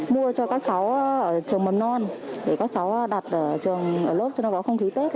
mua cho các cháu ở trường mầm non để các cháu đặt ở trường lớp cho nó có không khí tết